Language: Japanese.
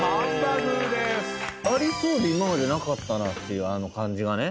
ありそうで今までなかったなっていうあの感じがね。